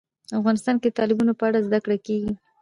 افغانستان کې د تالابونه په اړه زده کړه کېږي.